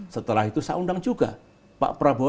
setelah itu saya undang juga pak prabowo